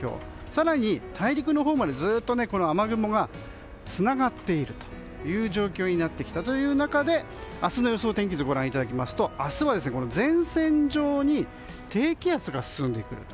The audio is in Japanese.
更に、大陸のほうまでずっと雨雲がつながっているという状況になってきたという中で明日の予想天気図をご覧いただきますと明日は前線上に低気圧が進んでくる。